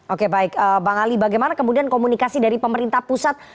oke baik bang ali bagaimana kemudian komunikasi dari pemerintah pusat